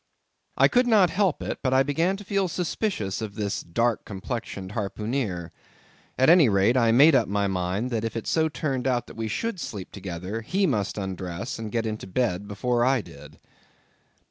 I could not help it, but I began to feel suspicious of this "dark complexioned" harpooneer. At any rate, I made up my mind that if it so turned out that we should sleep together, he must undress and get into bed before I did.